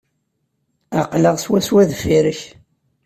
Aql-aɣ swaswa deffir-k.